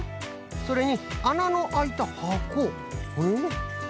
それにあなのあいたはこえっ？